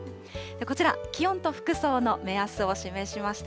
こちら、気温と服装の目安を示しました。